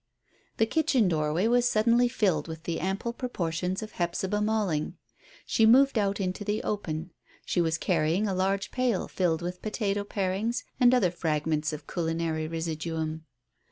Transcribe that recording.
The kitchen doorway was suddenly filled with the ample proportions of Hephzibah Malling. She moved out into the open. She was carrying a large pail filled with potato parings and other fragments of culinary residuum.